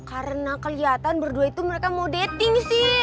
karena kelihatan berdua itu mereka mau dating sil